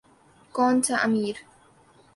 کون سا امیر۔